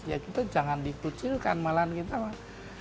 ya kita jangan dikucilkan malahan kita mas